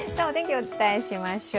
お伝えしましょう。